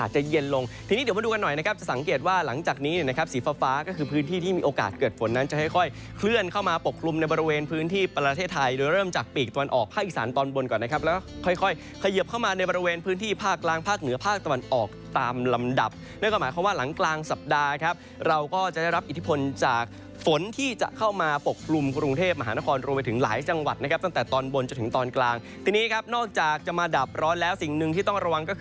จะสังเกตว่าหลังจากนี้นะครับสีฟ้าก็คือพื้นที่ที่มีโอกาสเกิดฝนนั้นจะค่อยเคลื่อนเข้ามาปกคลุมในบริเวณพื้นที่ประเทศไทยโดยเริ่มจากปีกตะวันออกพระอีสานตอนบนก่อนนะครับแล้วก็ค่อยเขยิบเข้ามาในบริเวณพื้นที่ภาคกลางภาคเหนือภาคตะวันออกตามลำดับเนื่องก็หมายความว่าหลังกลางส